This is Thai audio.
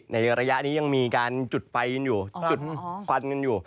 ในระยะนี้ยังมีการจุดไฟกันอยู่จุดควันกันอยู่